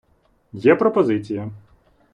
Є пропозиція.